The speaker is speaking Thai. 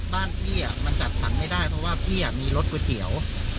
บ้านพี่มันจัดสรรไม่ได้เพราะว่าพี่มีรสก๋วยเตี๋ยว